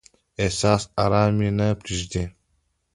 احساس ارام مې نه پریږدي.